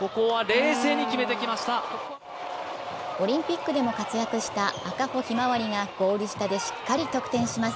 オリンピックでも活躍した赤穂ひまわりがゴール下でしっかり得点します。